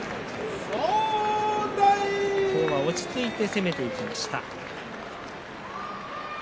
今日は落ち着いて攻めていきました。